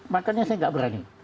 makanya saya tidak berani